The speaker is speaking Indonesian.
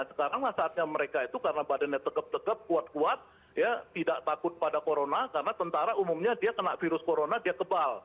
sekaranglah saatnya mereka itu karena badannya tegap tegap kuat kuat tidak takut pada corona karena tentara umumnya dia kena virus corona dia kebal